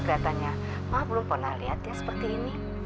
ternyata ma belum pernah lihat dia seperti ini